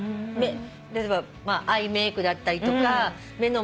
例えばアイメークだったりとか目の周りの方の。